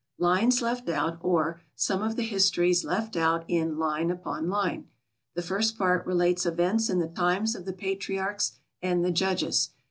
Lines Left Out; or, Some of the Histories Left Out in "Line upon Line." The First Part relates Events in the Times of the Patriarchs and the Judges.